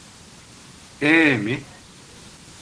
Ee mi?